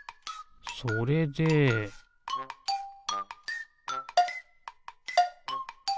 それでピッ！